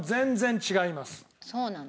そうなの？